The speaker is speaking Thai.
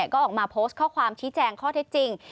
ก็ออกมาโพสต์ข้อความชี้แจงข้อเท็จจริง